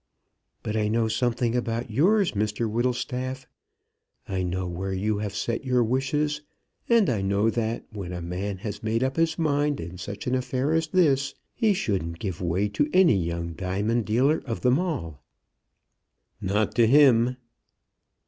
"But I know something about yours, Mr Whittlestaff. I know where you have set your wishes. And I know that when a man has made up his mind in such an affair as this, he shouldn't give way to any young diamond dealer of them all." "Not to him."